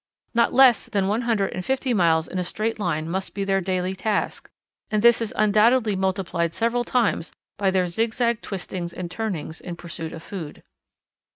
Not less than one hundred and fifty miles in a straight line must be their daily task, and this is undoubtedly multiplied several times by their zigzag twistings and turnings in pursuit of food.